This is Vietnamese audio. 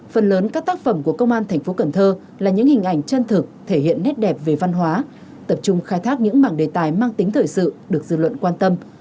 phần lớn các tác phẩm của công an thành phố cần thơ là những hình ảnh chân thực thể hiện nét đẹp về văn hóa tập trung khai thác những mảng đề tài mang tính thời sự được dư luận quan tâm